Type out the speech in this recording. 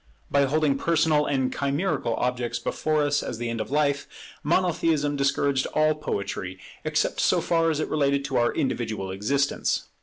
By holding personal and chimerical objects before us as the end of life, Monotheism discouraged all poetry, except so far as it related to our individual existence.